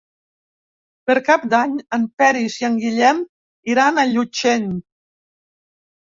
Per Cap d'Any en Peris i en Guillem iran a Llutxent.